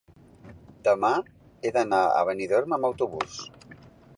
Demà he d'anar a Benidorm amb autobús.